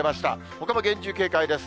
ほかも厳重警戒です。